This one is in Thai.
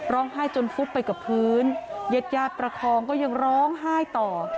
ร้องไห้จนฟุบไปกับพื้นเย็ดญาติประคองก็ยังร้องไห้ต่อ